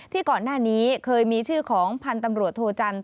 ก่อนหน้านี้เคยมีชื่อของพันธุ์ตำรวจโทจันท